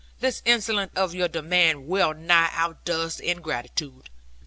The insolence of your demand well nigh outdoes the ingratitude.